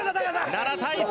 ７対３。